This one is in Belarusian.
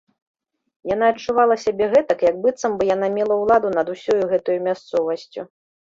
Яна адчувала сябе гэтак, як быццам бы яна мела ўладу над усёю гэтаю мясцовасцю.